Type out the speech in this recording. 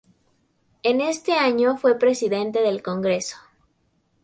En este año fue presidente del Congreso.